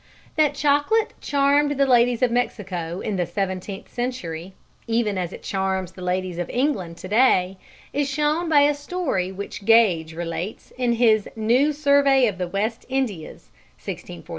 _ That chocolate charmed the ladies of Mexico in the seventeenth century (even as it charms the ladies of England to day) is shown by a story which Gage relates in his New Survey of the West Indias (1648).